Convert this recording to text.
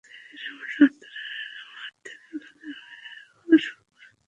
ধীরে ধীরে আমার সন্তানেরা, আমার থেকে আলাদা হওয়া শুরু করে।